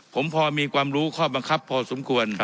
ผมพอมีความรู้ข้อบังคับพอสมควร